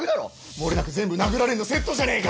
もれなく全部殴られるのセットじゃねえか！